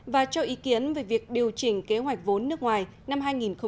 và cho ý kiến về việc điều chỉnh kế hoạch vốn nước ngoài năm hai nghìn một mươi sáu